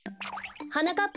はなかっ